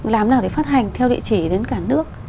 làm nào để phát hành theo địa chỉ đến cả nước